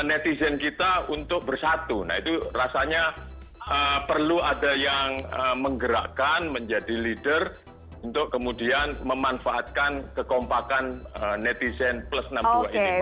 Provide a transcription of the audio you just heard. netizen kita untuk bersatu nah itu rasanya perlu ada yang menggerakkan menjadi leader untuk kemudian memanfaatkan kekompakan netizen plus enam puluh dua ini